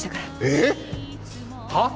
えっ！？はあ？